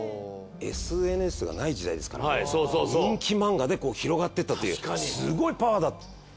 ＳＮＳがない時代ですから人気漫画で広がっていったというすごいパワー。